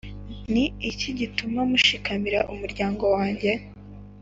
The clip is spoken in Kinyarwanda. Ni iki gituma mushikamira umuryango wanjye,